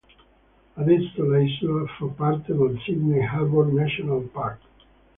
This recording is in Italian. Adesso l'isola fa parte del Sydney Harbour National Park.